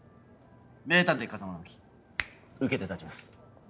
名探偵風真尚希受けて立ちます。